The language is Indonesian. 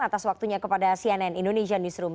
atas waktunya kepada cnn indonesia newsroom